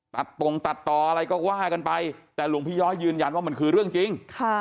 ตรงตัดต่ออะไรก็ว่ากันไปแต่หลวงพี่ย้อยยืนยันว่ามันคือเรื่องจริง